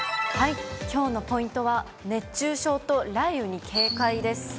きょうのポイントは、熱中症と雷雨に警戒です。